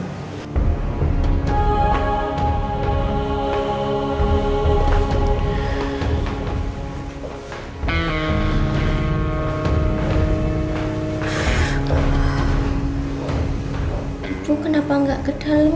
ibu kenapa gak ke dalam